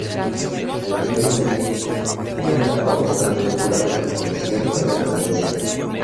El Reino Medio, una etapa bastante oscura y con cierta decadencia.